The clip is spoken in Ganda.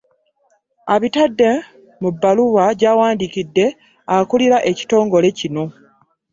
Abitadde mu bbaluwa gy'awandiikidde akulira ekitongole kino